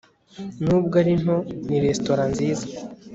Nubwo ari nto ni resitora nziza